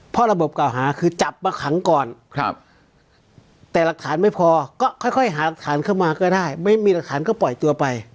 เพราะระบบเก่าหาคือจับมาขังก่อนแต่หลักฐานไม่พอก็ค่อยหารักฐานเข้ามาก็ได้ไม่มีหลักฐานก็ปล่อยตัวไป